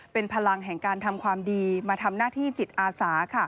เป็นพลังแห่งการทำความดีมาทำหน้าที่จิตอาสา